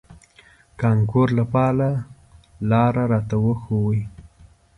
کانکور لپاره لار راته وښوئ.